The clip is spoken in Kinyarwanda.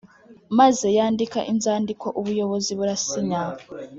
maze yandika inzandiko ubuyobozi burasinya.